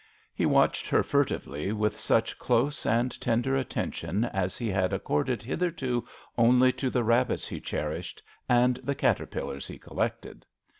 He watched her furtively with such close and tender attention as he had accorded hitherto only to the rabbits he cherished and the caterpillars he collected.